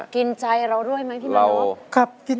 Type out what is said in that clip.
ร้องได้แบบนี้รับแล้วค่า๒๐๐๐๐บาท